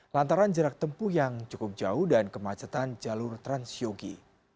lantaran jarak tempuh yang cukup jauh dan kemacetan jalur transyogi